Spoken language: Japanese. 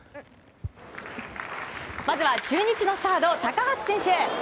まずは中日のサード高橋選手。